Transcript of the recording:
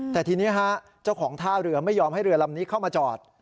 แต่ทีนี้ฮะเจ้าของท่าเรือไม่ยอมให้เรือลำนี้เข้ามาจอด